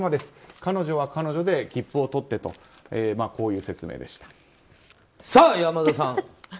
彼女は彼女で切符をとってとさあ、山田さん。